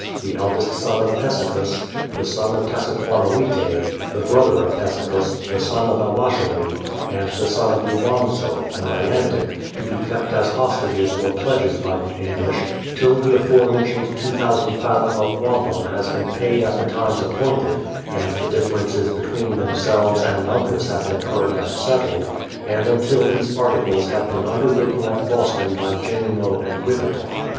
the eldest son of Pessecuss, the son of Tassaquanawite, the brother of Pessecuss, the son of Awashawe, and the son of Ewangso, a Nyantick, to be kept as hostages 336 BRADFORD'S HISTORY OF or pledges by the English, till the aforementioned 2000 fathom of wampum has been paid at the times appointed, and the differences between themselves and Uncas have been heard and settled, and until these articles have been underwritten at Boston by Jencmo and Wipetock.